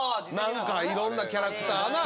何かいろんなキャラクターな。